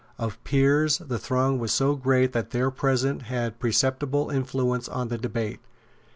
Of peers the throng was so great that their presence had a perceptible influence on the debate.